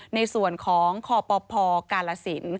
ในส่วนของคปพกาลสิน